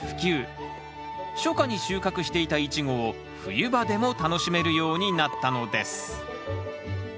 初夏に収穫していたイチゴを冬場でも楽しめるようになったのです。